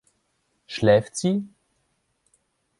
Schläft sie?